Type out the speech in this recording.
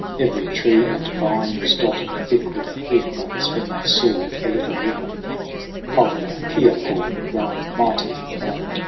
Every tree and vine Was dotted thick with leaf buds when they saw The little river of Keyapaha Grown mighty for the moment.